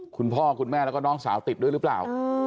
คุณพ่อคุณแม่แล้วก็น้องสาวติดด้วยหรือเปล่า